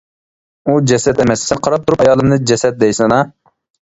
ئۇ جەسەت ئەمەس، سەن قاراپ تۇرۇپ ئايالىمنى جەسەت دەيسىنا؟ !